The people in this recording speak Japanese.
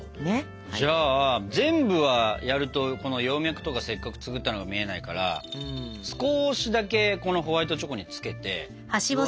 じゃあ全部はやるとこの葉脈とかせっかく作ったの見えないから少しだけこのホワイトチョコにつけて。